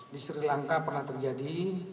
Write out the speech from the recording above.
di sri lanka pernah terjadi